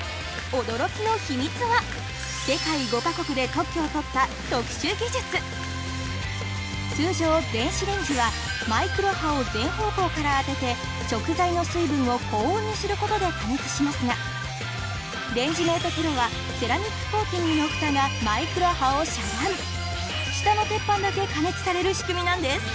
驚きの秘密はを取った特殊技術通常電子レンジはマイクロ波を全方向から当ててレンジメートプロはセラミックコーティングのふたがマイクロ波を遮断下の鉄板だけ加熱される仕組みなんです